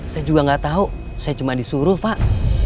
saya juga gak tau saya cuma disuruh pak